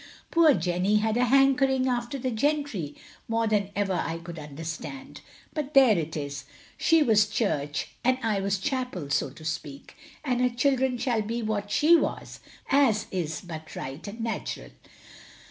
Poor Jenny had a hankering OF GROSVENOR SQUARE 39 after the gentry, more than ever I cotald tinder* stand; but there it is, she was church and I was chapel, so to speak, and her children shall be what she was, as is but right and natural.